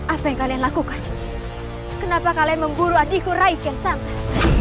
apa yang kalian lakukan kenapa kalian memburu adikku rais yang sama